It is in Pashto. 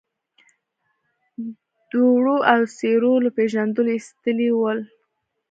دوړو او سيورو له پېژندلو ايستلي ول.